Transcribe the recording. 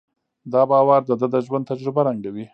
دا باور د ده د ژوند تجربه رنګوي.